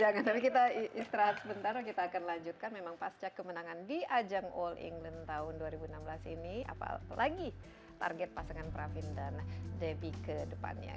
jangan tapi kita istirahat sebentar kita akan lanjutkan memang pasca kemenangan di ajang all england tahun dua ribu enam belas ini apalagi target pasangan pravin dan debbie ke depannya